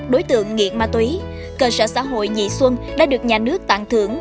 đối tượng nghiện ma túy cơ sở xã hội nhị xuân đã được nhà nước tặng thưởng